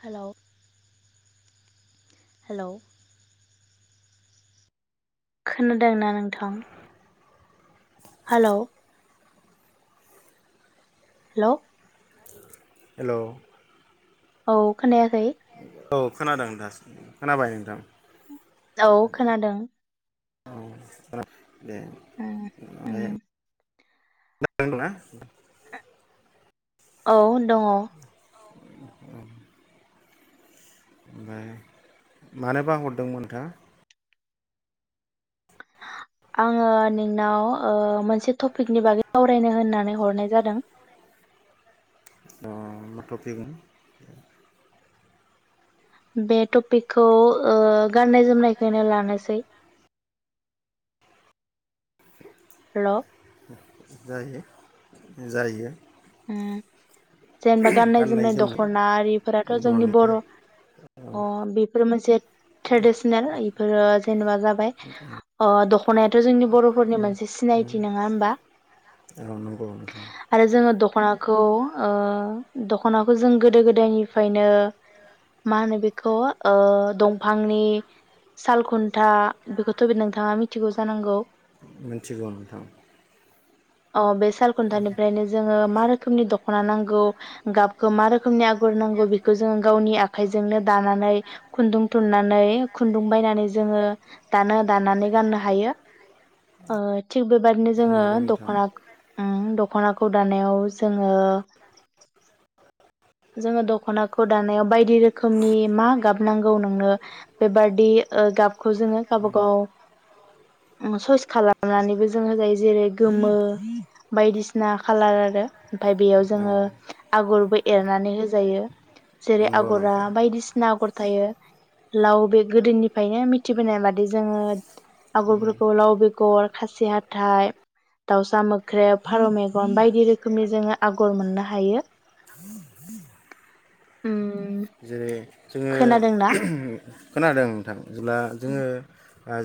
Hello hello. खोनादोंना नोंथां? Hello. Hello. Hello. औ खोनायाखै? औ खोनादों दासो, खोनाबाय नोंथां। औ खोनादों। द उम उम माय [inaudible] [inaudible] औ दङ। ओमफ्राय मानोबा हरदोंमोन नोंथाङा? आङो नोंनाव ओ मोनसे टपिकनि बागै सावरायनो होननानै हरनाय जादों। उम मा टफिग? बे टपिकखौ ओ गाननाय जोमनायखौनो लानोसै। हेलौ। जायो जायो। अम। जेनेबा गाननाय जोमनाय दख'ना आरिफोराथ' जोंनि बर'नि बर' अ बेफोरो मोनसे ट्रेडिसनेल बेफोरो जेनेबा जाबाय दख'नायाथ' जोंनि बर'फोरनि मोनसे सिनायथि नङा होमबा नंगौ नंगौ। आरो जोङो द दख'नाखौ दख'नाखौ जों गोदो गोदायनिफ्रायनो, मा होनो बेखौ? दंफांनि सालखुन्था बेखौथ' बे नोंथाङा मिथिगौ जानांगौ। मिथिगौ नोंथां। अ बे साल खुन्थानिफ्रायनो जोंङो। मा रोखोमनि दखना नांगौ, गाबखौ मा रोखोमनि अगर नांगौ, बेखौ जों गावनि आखायजोंनो दानानै खुन्दुं थुननानै खुन्दुं बायनानै दानानै गाननो हाथों थेवबो बे बायदिनो। जोङो नंगौ नोंथां दख'ना [unintelligible] दानायाव जोंङो जोङो दखनाखौ दानायाव बायदि रोखोमनि मा गाब नांगौ नोंनो बेबादि ओ गाबखौ जोङो गाबा गाव सयस खालामनानैबो जो जायो जेरै गोमो बायदिसिना खालार आरो ओमफाय बेयाव औ जोङो आगरबो एरनानै होजायो जेरै नंगौ आगरा नोंथां बायदिसिना आगर थायो लाव बे गोदोनिफ्रायनो मिथिबोनाय बादि जोङो आगरफोरखौ लाव बेगर, खासि हाथाइ, दाउसा मोख्रेब, फारौ मेगन बायदि रोख रोखोमनि जोङो आगर मोननो हायो उम। जेरै जोङो खोनादोंना खोनादों नोंथां जेब्ला जोङो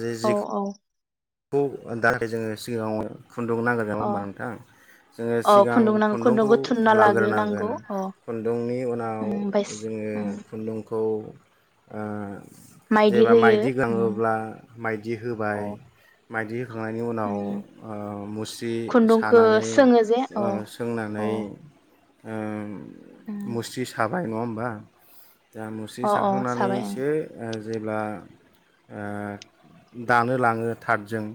जे औ जिखौ औ। खौ दा जोंङो सिगाङाव खुन्दुं नांग्रोगोन नङा अ होमबा नोंथां जोङो अ सिगां खुन्दुं नांगौ खुन्दुंखौ थुनना लाग्रोनांगौ लाग्रोनांगोन अ खुन्दुंनि उनाव ओमफ्राय जोङो खुन्दुंखौ ओ जेबा माइदि गाङोब्ला माइदि होबाय। अ मायदि होखांनायनि उनाव ओ मुस्रि खुन्दुंखौ सानानै सोङो जे अ ओ अ सोंनानै ओम मुस्रि साब बाय नङा होमबा? दा मुस्रि अ अ साबाय साखांनानैसो ओ जेब्ला आ दानो लाङो थादजों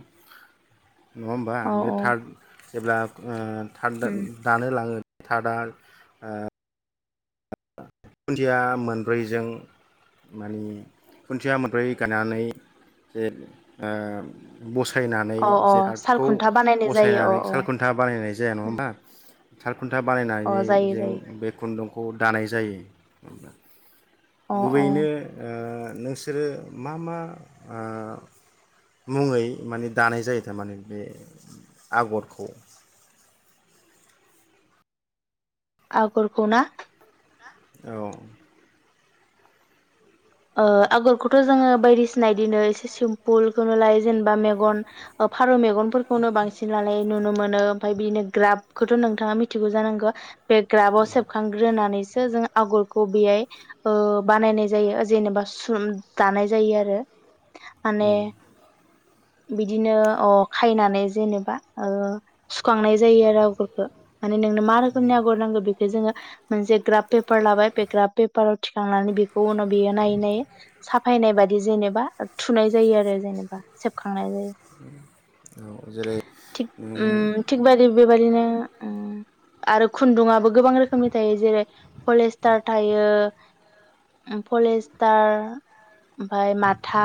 नङा होमबा अ बे थार्ड जेब्ला ओ थार्ड दानो लाङो थार्डआ आ खुन्थिया मोनब्रैजों माने खुन्थिया मोनब्रै गायनानै ओ बस अ [unintelligible] अ जे कार्डखौ सालखुन्था बानायनाय जायो बसायनानै अ सालखुन्था बानायनाय जाया नङा अ होमबा? खुन्था अ बानायनानै जायो जों जायो बे खुन्दुं खौ दानाय जायो। [inaudible] अ अ गुबैयैनो ओ नोंसोरो मा मा आ मुङै माने दानाय जायो थारमाने बे आगरखौ? आगरखौना? औ ओ आगरखौथ' जोङो बायदिसिना इदिनो एसे सिमपुलखौनो लायो जेनेबा मेगन ओ फारौ मेगनफोरखौनो बांसिन लानाय नुनो मोनो ओमफाय बिनो ग्राबखौथ' नोंथाङा मिथिगौ जानांगो। बे ग्राबाव सेबखांग्रोनानै सो जों आगरखौ बेयाइ ओ बानायनाय जायो ओ जेनेबा स्रुम दानाय जायो आरो माने औ बिदिनो अ खायनानै जेनेबा ओ सुखांनाय जायो आरो आगरखो माने नोंनो मा रोखोमनि आगर नांगौ बेखो जोंङो मोनसे ग्राब पेपार लाबाय बे ग्राब पेपार थिखांनानै बेखौ उनाव नायै-नायै साफाय नाय बादि जेनेबा ओ थुनाय जायो आरो जेनेबा सेबखांनाय जायो औ जेरै थिग उम नोङो थिग बायदि बेबादिनो उम आरो खुन्दुंङाबो गोबां रोखोमनि थायो जेरै पलेस्टार थायो अम पलेस्टार ओमफाय माथा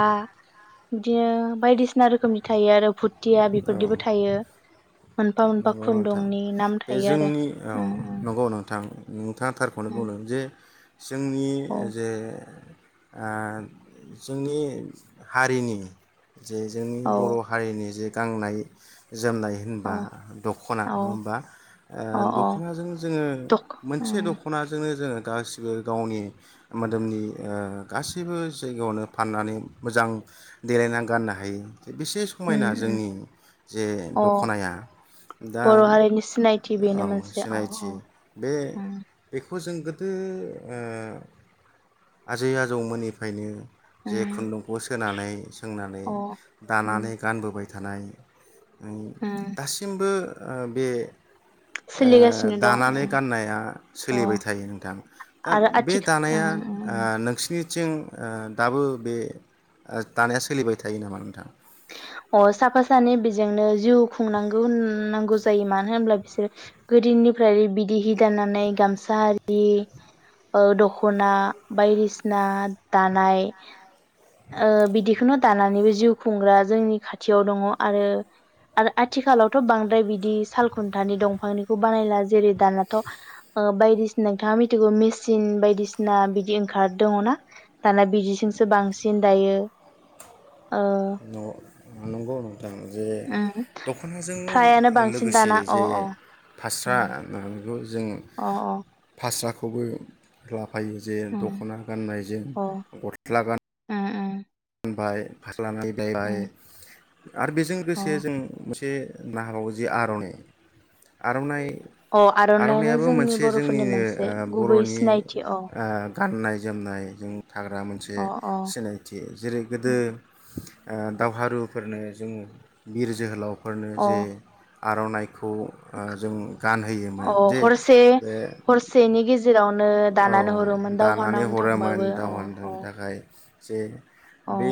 इदिनो बायदिसिना रोखोमनि थायो आरो भुट थिया बेफोरदोबो थायो। मोनफा-मोनफा अ नोंथां बे जोंनि औ उम नंगौ नोंथां नोंथाङा थारखौनो उम बुंदों जे जोंनि औ जे आ जोंनि हारिनि जे जोंनि बर' औ हारिनि जे गाननाय जोमनाय अ होनबा दखना अ नङा ओमबा ओ अ दख'नाजों जोंङो दख मोनसे उम दख'नाजों नो जोंङो गासिबो गावनि मोदोमनि ओ गासैबो जायगायावनो फाननानै मोजां देलायना गाननो हायो बेसे उम समायना उम जोंनि जे दख'नाया बर'हारिनि सिनायथि बेनो मोनसे औ औ अम खौ जों गोदो ओ आजै आजौमोननिफायनो जे उम खुन्दुंखौ सोनानै सोंनानै अ उम दानानै गानबोबाय थानाय नो उम दासिमबो ओ बे ओ सोलिगासिनो दं दानानै उम गाननाया अ सोलिबाय थायो नोंथां दा आरो बे आथिखा उम दानाया ओ उम नोंसिनि थिं दाबो बे दानाया सोलिबाय थायो नामा नोंथां अ साफा सानै बेजोंनो जिउ खुंनांगौ नांगौ जायो मानो होनब्ला बिसोर गोदोनिफ्राय बिदिहि दानानै गामसा आरि दख'ना बायदिसिना दानाय ओ बिदिखौनो दानानैबो जिउ खुंग्रा जोंनि खाथियाव दंङ आरो आरो आथिखालावथ' बांद्राय बिदि साल खुन्थानि दंफांनिखौ बानायला जेरै दानाथ' बायदिसिना नोंथाङा मिथिगौ मिसिन बायदिसिना बिदि ओंखार दंङना दाना बिदिजोंसो बांसिन दायो गौ नंगौ नोंथां जे उम दख'नाजों फ्रायानो बांसिन लोगोसे दाना अ जे अ फास्रा उम जों अ फासराखौ खौबो लाब फायो जे उम दख'ना गाननायजों अ उम गस्ला गान उम बाय उम हार [unintelligible] आरो बेजों अ लोगोसे जों मोनसे ना हाबावगो जि आर'नाइ आर'नाइ अ आर'नाइानो आर'नाइयाबो जोंनि मोनसे बर'फोरनि जोंनिनो मोनसे गुबै बर'नि सिनायथि अ गाननाय जोमनायजों थाग्रा मोनसे अ अ सिनायथि जेरै गोदो उम ओ दावहारुफोरनो जोङो बिर जोहोलाव फोरनो जे अ आर'नाइ खौ ओ जों गानहोयोमोन। अ जे हरसे बे हरसेनि गेजेरावनो औ दानानै हरोमोन दावहा दानानै नांनो हरोमोन थांबाबो अ अ दावहाननि थाखाय जे अ बे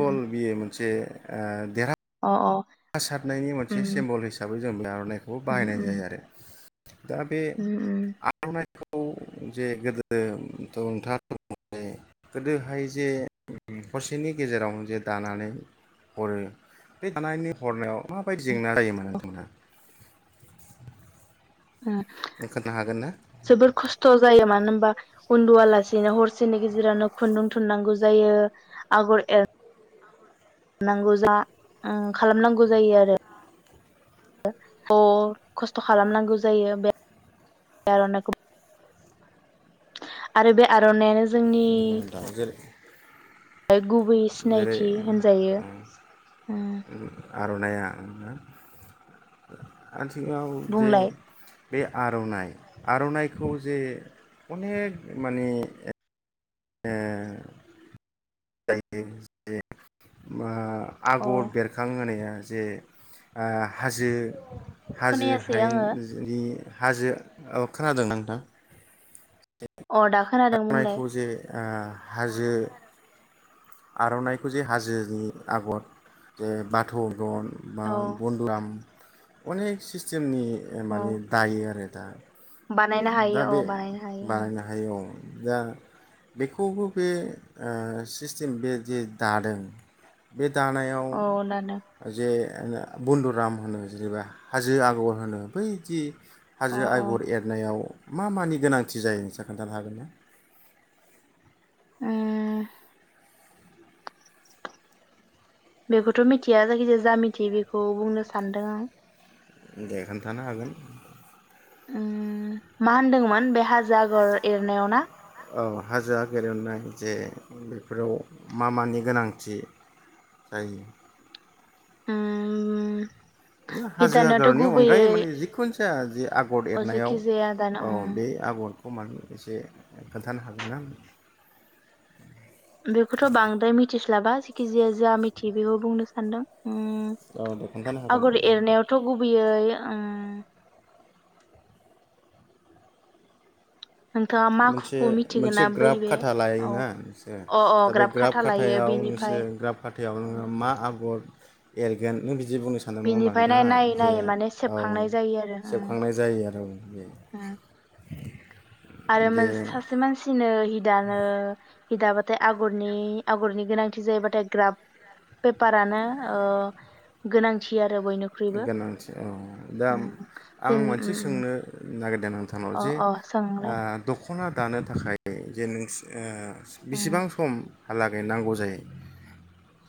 उम बियो मोन जे ओ देरहा अ अ। हा सारनायनि मोनसे उम सेम्बल हिसाबै जों दा आर'नायखौ उम बाहायनाय उम जायो आरो। दा बे उम उम आर'नाइ खौ जे गोदोथ' [unintelligible] गोदोहाय जे हरसेनि गेजेराव जे दानानै हरो बे दानायनि हरनायाव माबायदि जेंना जायोमोन नोंथांमोनहा? ओ खोन्थानो हागोन ना जोबोर खस्थ' जायो मानो होमबा उन्दुआलासेनो हरसेनि गेजेरावनो खुन्दुं थुननांगौ जायो। आगर एर नांगौ जा ओं खालामनांगौ जायो आरो। [unintelligible] खस्थ' खालामनांगौ जायो बे [inaudible] आर'नाइखौ आरो बे आर'नाइयानो जोंनि जेरै [unintelligible] गुबै जेरै सिनायथि होनजायो उम। आर'नाइ आ उम ना आ सिङाव जे बुंलाय बे आर'नाइ आर'नाइखौ जे अनेक माने आ अ आगर बेरखां होनाया जे ओ हाजो हाजो खोनायासै हायेन आङो जोनि हाजो अ खोनादों नोंथां? अ दा खोनादों बुंलाय। अ हाजो आर'नाइखौ जे हाजोनि आगर जे बाथ' दन बा अ बन्दलाम अनेक सिस्टेमनि माने दायो आरो। दा बानायनो दा हायो औ बे बानायनो हायो ओं। बानायनो हायो औ दा बेखौबो बे अ सिस सिम बे जे दादों बे दानायाव अ दादों जे बन्दुराम होनो जेनेबा हाजो आगर होनो बैदि अ हाजो अ आगर एरनायाव मा मानि गोनांथि जायो नोंसा खोन्थानो हागोन ना? उम्म बेखौथ' मिथिया जायखिजाया जा मिथियो बेखौ बुंनो सानदों आं। दे खोनथानो हागोन। उम्म मा होनदोंमोन बे हाजो आगर एरनायाव ना? औ हाजो एरनाय जे बेफोराव मा मानि गोनांथि जायो? उम्म हाजो आगरनि अनगायै माने जिखुनु जाया जि आगर अ एरनायाव जेखि जाया दाना औ उम बे आगर समान एसे खोन्थानो हागोनना? जेकी जाया जा मिथियो बेखौ बुंनोसा सान्दों उम्म औ दे खोन्थानो हागोन आगर एरनायावथ' गुबैयै उम्म [unintelligible] नोंथाङा मोनसे माखुखौ मोनसे मिथिगोना बै ग्राफ बे खाथा लायो हो औ नोंसोर अ दा बे ग्राफ ग्रााब खाथा लायो खाथायाव नोंसोर बेनिफ्राय ग्रााब खाथायाव नोङो मा आगर एरगोन नों जि बुंनो सानदों नङा होमबा बेनिफ्राय नाय नोंथाङा नायै जे नायै माने औ सेबखांनाय जायो आरो उम सेबखांनाय जायो आरो बे उम आरो मोन जे सासे मानसिनो दानो हि दाबाथाय आगरनि आगरनि गोनांथि जायोबाथाय ग्राब पेपारानो ओ गोनांथि आरो बयनिख्रुइबो गोनांथि औ दा उम आं जेन मोनसे उम उम सोंनो नागिरदों? नोंथांनाव अ जे अ ओ सोंलाय दख'ना दानो थाखाय जे नोसो ओ बिसेबां सम? हालागै नांगौ जायो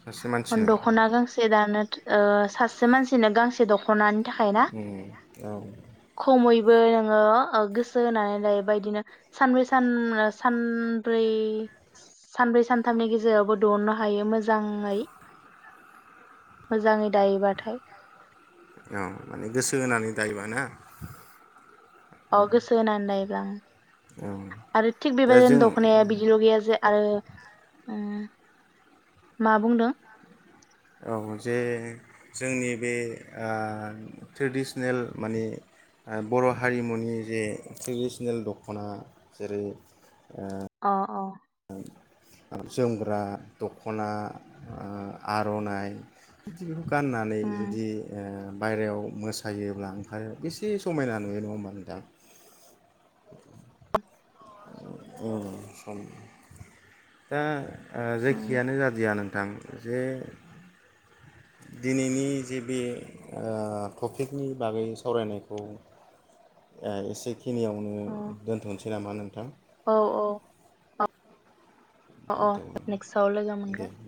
सासे मानसिनो दखना गांसे दानो ओ सासे मानसि नो गांसे दख'ना ओम औ बो नोङो ओ गोसो होनानै दायोबा ईदिनो सानब्रै सान सानब्रै सानब्रै सानथामनि गेजेरावबो दहननो हायो मोजाङै। मोजांङै औ माने गोसो होनानै दायोबा। [unintelligible] अ गोसो होनानै बां औ [unintelligible] आरो थिग दा बेबायदिनो जों दखनाया बिदिल' गैया जे आरो ओम मा बुंदों? औ जे जोंनि बे ओ ट्रेडिसनेल माने बर' हारिमुनि जे ट्रेडिसनेल दख'ना जेरै अ अ जोमग्रा दख'ना ओ आर'नाइ गाननानै उम जुदि ओ बायरायाव मोसायोब्ला ओंखारो बेसे समायना नुयो नङा होमबा नोंथां सम दा [unintelligible] ओ उम जायखियानो जादियानो [unintelligible] दिनैनि जे बे टपिकनि बागै सावरायनायखौ एसे खिनियावनो अ दोनथनोसै मा नोंथां औ औ अ अ नेक्साव लोगो मोनगोन। दे